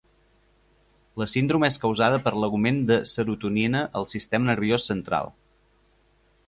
La síndrome és causada per l'augment de serotonina al sistema nerviós central.